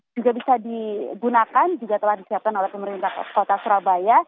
juga bisa digunakan juga telah disiapkan oleh pemerintah kota surabaya